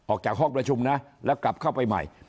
ออกจากห้องประชุมนะแล้วกลับเข้าไปใหม่